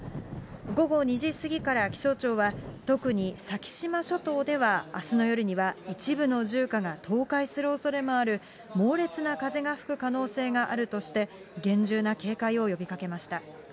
午後２時過ぎから気象庁は、特に先島諸島ではあすの夜には一部の住家が倒壊するおそれもある、猛烈な風が吹くおそれがあるとして、厳重な警戒を呼びかけました。